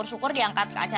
saya masih masih